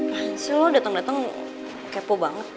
apaan sih lo dateng dateng kepo banget